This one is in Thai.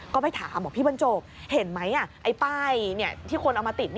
ก็ไปถามบอกพี่บรรจบเห็นไหมไอ้ป้ายที่คนเอามาติด